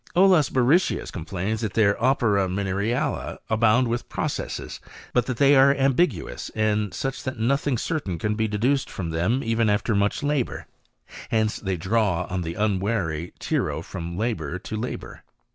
Olaus Borrichius complains that their opera mine" ralia abound with processes ; but that they are ambi guous, and such that nothing certain can be deduced from them even after much labour.* Hence they draw on the unwary tyro from labour to labour.